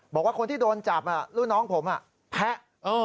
บอกว่าคนที่โดนจับรุ่นน้องผมแพะ